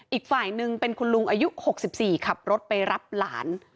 อีกฝ่ายหนึ่งเป็นคุณลุงอายุ๖๔ขับรถไปรับหลาน